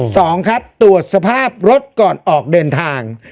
สองครับตรวจสภาพรถก่อนออกเดินทาง